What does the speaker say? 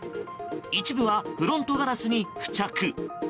一部はフロントガラスに付着。